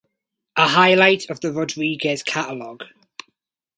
A highlight of the Rodrigues catalog.